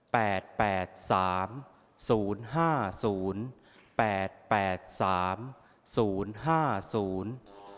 แปดแปดสามศูนย์ห้าศูนย์แปดแปดสามศูนย์ห้าศูนย์